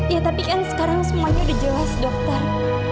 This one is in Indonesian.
ya tapi kan sekarang semuanya udah jelas dokter